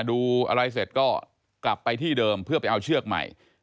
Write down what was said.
ดูอะไรเสร็จก็กลับไปที่เดิมเพื่อไปเอาเชือกใหม่